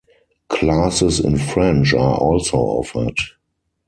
Classes in French are also offered.